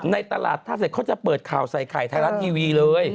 ในตลาดท่าเสร็จเขาจะเปิดข่าวใส่ไข่ไทยรัฐทีวีเลย